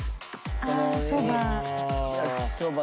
ああそば。